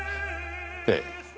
ええ。